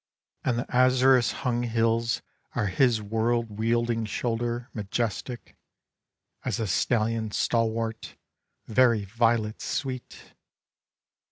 And the azurous hung hills are his world wielding shoulder Majestic as a stallion stalwart, very violet sweet!